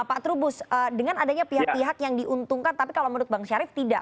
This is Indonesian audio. pak trubus dengan adanya pihak pihak yang diuntungkan tapi kalau menurut bang syarif tidak